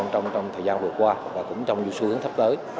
trong thời gian vừa qua và cũng trong dự xuống thấp tới